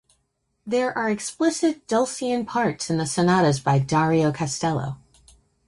There are explicit dulcian parts in the sonatas by Dario Castello.